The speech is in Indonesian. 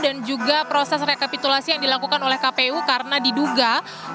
dan juga proses rekapitulasi yang dilakukan oleh kpu karena diduga mengandung kecurangan kecurangan